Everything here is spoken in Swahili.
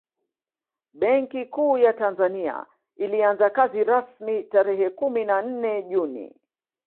Benki Kuu ya Tanzania ilianza kazi rasmi tarehe kumi na nne Juni